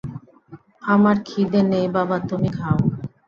আমার খিদে নেই বাবা, তুমি খাও।